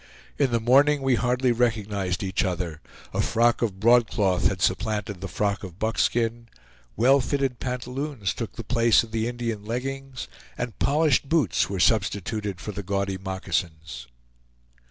In the morning we hardly recognized each other; a frock of broadcloth had supplanted the frock of buckskin; well fitted pantaloons took the place of the Indian leggings, and polished boots were substituted for the gaudy moccasins.